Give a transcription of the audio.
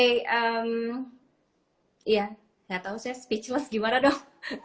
iya gak tahu saya speechless gimana dong